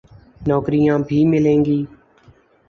نوکریاں بھی ملیں گی۔